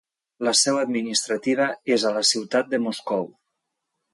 La seu administrativa és a la ciutat de Moscou.